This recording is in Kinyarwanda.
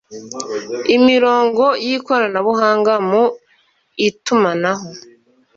imirongo y ikoranabuhanga mu itumanaho